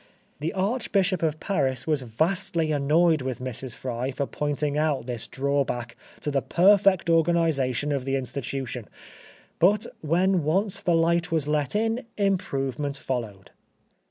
The Archbishop of Paris was vastly annoyed with Mrs. Fry for pointing out this drawback to the perfect organisation of the institution; but when once the light was let in, improvement followed.